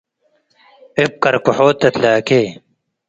እብ ከርከሖት ትትላኬ ።